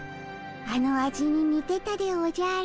あの味ににてたでおじゃる。